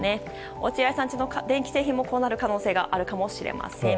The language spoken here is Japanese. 落合さんの家の電気製品もこうなる可能性があるかもしれません。